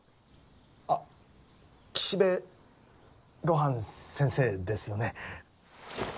あっ岸辺露伴先生ですよね。